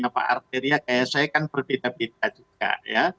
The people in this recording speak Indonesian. pak arty riyadahlan saya kan berbeda beda juga ya